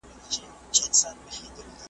نه خبر وو چي سبا او بېګاه څه دی .